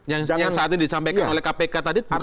yang saat ini disampaikan oleh kpk tadi bukan perspektif hukum